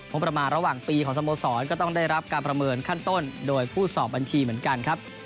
ประมาณระหว่างปีของสโมสรก็ต้องได้รับการประเมินขั้นต้นโดยผู้สอบบัญชีเหมือนกันครับ